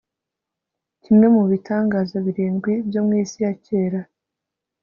kimwe mu bitangaza birindwi byo mw'isi ya kera